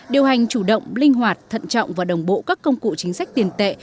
điều hành chủ động linh hoạt thận trọng và đồng bộ các công cụ chính sách tiền tệ